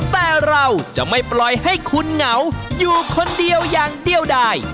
แต่เราจะไม่ปล่อยให้คุณเหงาอยู่คนเดียวอย่างเดียวได้